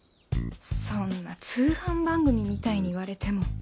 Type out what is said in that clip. そんな通販番組みたいに言われても。